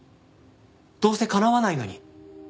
どうせ叶わないのに。